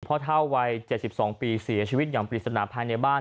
เท่าวัย๗๒ปีเสียชีวิตอย่างปริศนาภายในบ้าน